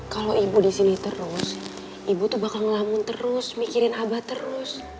kalo ibu disini terus ibu tuh bakal ngelamun terus mikirin abah terus